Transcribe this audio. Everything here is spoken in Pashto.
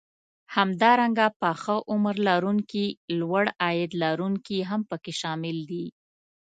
همدارنګه پخه عمر لرونکي لوړ عاید لرونکي هم پکې شامل دي